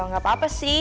gak apa apa sih